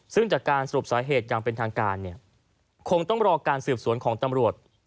ซึ่งจากการสรุปสาเหตุอย่างเป็นทางการเนี่ยคงต้องรอการสืบสวนของตำรวจ